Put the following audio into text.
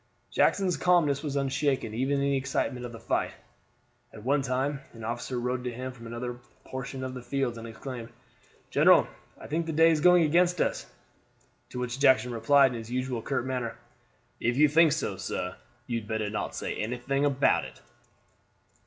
Jackson's calmness was unshaken even in the excitement of the fight. At one time an officer rode up to him from another portion of the field and exclaimed, "General, I think the day is going against us!" To which Jackson replied in his usual curt manner, "If you think so, sir, you had better not say anything about it."